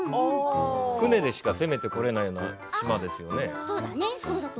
船でしか攻めてこられないような島ですよね驚かせて